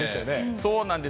そうなんです。